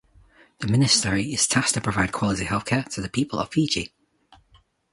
The Ministry is tasked to provide quality healthcare to the people of Fiji.